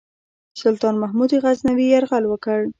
سلطان محمود غزنوي یرغل وکړ.